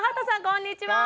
こんにちは。